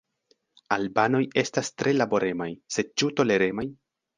Albanoj estas tre laboremaj, sed ĉu toleremaj?